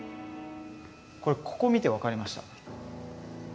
これここ見て分かりました。